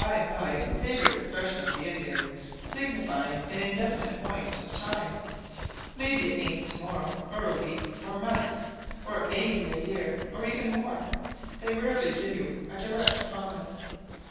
By and by is a favourite expression of the Indians, signifying an indefinite point of time; may be it means to morrow, or a week, or month, or it may be a year, or even more. They rarely give you a direct promise.